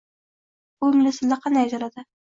Bu ingliz tilida qanday aytiladi?